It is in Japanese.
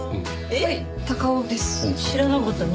えっ知らなかったの？